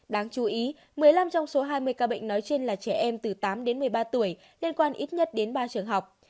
đáng chú ý một mươi năm trong số hai mươi ca bệnh nói trên là trẻ em từ tám đến một mươi ba tuổi liên quan ít nhất đến ba trường học